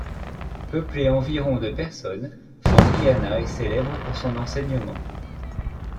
Peuplée environ de personnes, Fandriana est célèbre pour son enseignement.